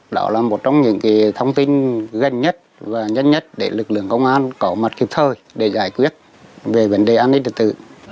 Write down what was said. đó là một trong những thông tin gần nhất và nhất nhất để lực lượng công an có mặt kịp thời để giải quyết về vấn đề án hình tật tự